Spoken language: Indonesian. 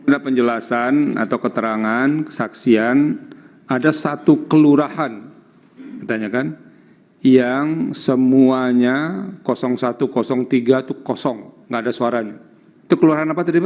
di cileksa kecamatan sukajaya